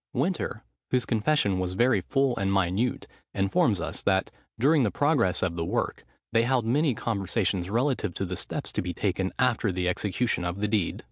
Winter, whose confession was very full and minute, informs us that, during the progress of the work, they held many conversations relative to the steps to be taken after the execution of the deed.